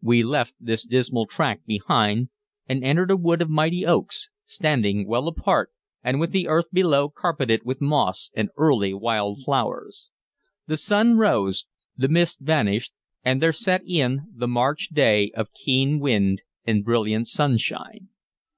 We left this dismal tract behind, and entered a wood of mighty oaks, standing well apart, and with the earth below carpeted with moss and early wild flowers. The sun rose, the mist vanished, and there set in the March day of keen wind and brilliant sunshine.